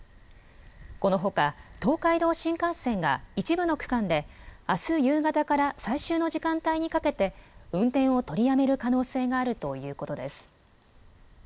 このほか、東海道新幹線が一部の区間で、あす夕方から最終の時間帯にかけて、運転を取りやめる可能性があるということです。